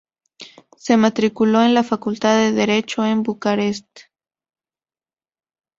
Se matriculó en la Facultad de Derecho en Bucarest.